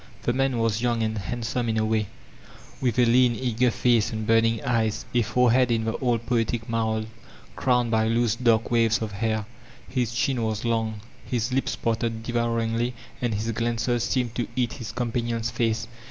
The man was young and handsome in a way, with a lean eager face and burning eyes, a forehead in the oU poetic mould crowned by loose dark waves of hair; his chin was long, his lips parted devouringly and his glances seemed to eat his companion's face.